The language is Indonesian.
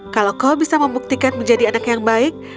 kalau kau bisa membuktikan menjadi anak yang baik